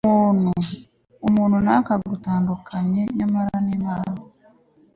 umuntu ntakagitandukanye nyamara, imana